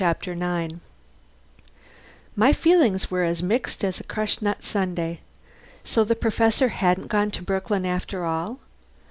CHAPTER NINE My feelings were as mixed as a crushed nut sundae. So the Professor hadn't gone to Brooklyn after all!